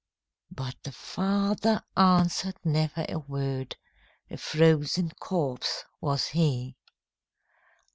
But the father answered never a word, A frozen corpse was he.